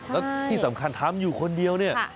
แล้วที่สำคัญทำอยู่คนเดียวเนี่ย